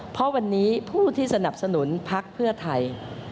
เพราะวันนี้ผู้ที่สนับสนุนพักเพื่อไทย